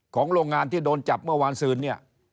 ของโรงงานที่โดนจับเมื่อวานซื้อนี้